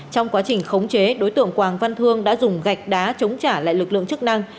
trong quá trình khống chế đối tượng quảng văn thương đã dùng gạch đá chống trả lại lực lượng chức năng